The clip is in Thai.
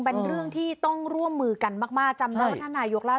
เป็นเรื่องที่ต้องร่วมมือกันมากมากจำได้ว่าท่านนายกเล่า